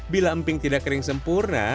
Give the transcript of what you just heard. bila emping tidak kering sempurna